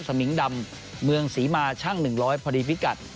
สมิงดำเมืองศรีมาช่างหนึ่งร้อยพอดีพิกัด